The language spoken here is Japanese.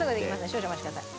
少々お待ちください。